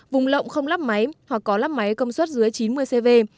vùng lộng không lắp máy hoặc có lắp máy công suất dưới chín mươi cv